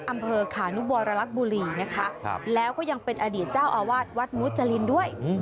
อำเภอขานุบรลักษณ์บุรีนะคะแล้วก็ยังเป็นอดีตเจ้าอาวาสวัดมุจรินด้วย